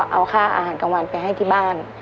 เอาค่าอาหารกลางวันไปให้ที่บ้าน